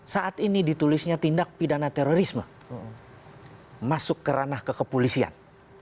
saat ini ditulisnya tindak pidana terorisme masuk kerana kekepolisian